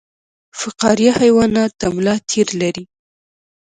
فقاریه حیوانات د ملا تیر لري